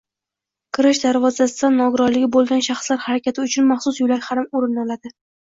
Kirish darvozasidan nogironligi boʻlgan shaxslar harakati uchun maxsus yoʻlak ham oʻrin oladi.